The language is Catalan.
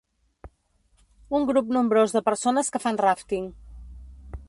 Un grup nombrós de persones que fan ràfting.